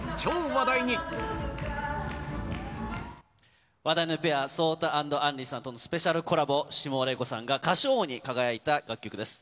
話題のペア、Ｓｏｔａ＆Ａｎｒｉさんと、スペシャルコラボ、下尾礼子さんが歌唱王に輝いた楽曲です。